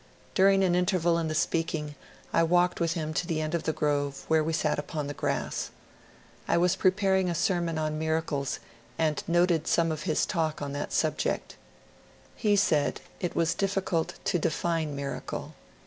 During an interval in the speaking I walked with him to the end of the grove, where we sat upon the grass. I was prepar ing a sermon on miracles, and noted some of his talk on that subject. He said it was difficult to define miracle.